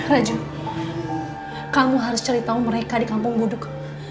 raju kamu harus cari tahu mereka di kampung buduk